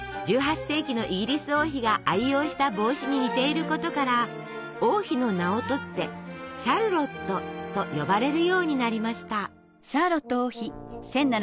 １８世紀のイギリス王妃が愛用した帽子に似ていることから王妃の名をとって「シャルロット」と呼ばれるようになりました。